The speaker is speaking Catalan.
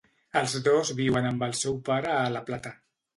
Els dos viuen amb el seu pare a La Plata.